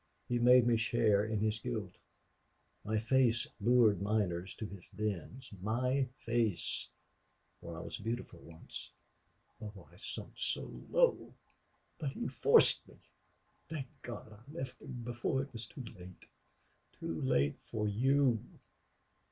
He made me share in his guilt. My face lured miners to his dens.... My face for I was beautiful once!... Oh, I sunk so low! But he forced me.... Thank God I left him before it was too late too late for you."